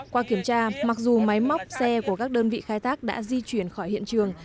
qua kiểm tra mặc dù máy móc xe của các đơn vị khai thác đã di chuyển khỏi hiện trường